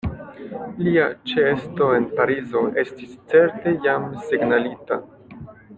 Lia ĉeesto en Parizo estis certe jam signalita.